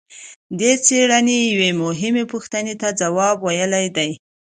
دې څېړنې یوې مهمې پوښتنې ته ځواب ویلی دی.